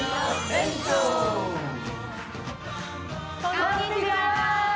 こんにちは！